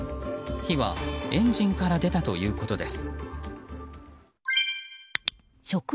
火はエンジンから出たということです。